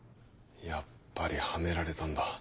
やっぱりはめられたんだ。